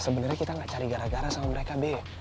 sebenarnya kita nggak cari gara gara sama mereka b